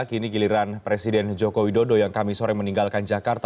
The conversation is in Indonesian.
kini giliran presiden joko widodo yang kami sore meninggalkan jakarta